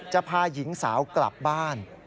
พาหญิงสาวกลับบ้าน